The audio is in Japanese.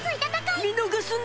見逃すな！